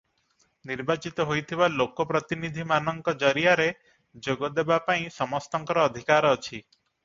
ନିର୍ବାଚିତ ହୋଇଥିବା ଲୋକପ୍ରତିନିଧିମାନଙ୍କ ଜରିଆରେ ଯୋଗ ଦେବା ପାଇଁ ସମସ୍ତଙ୍କର ଅଧିକାର ଅଛି ।